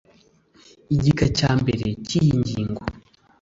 Igika cya mbere cy iyi ngingo